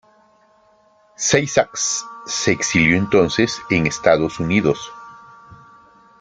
Seixas se exilió entonces en Estados Unidos.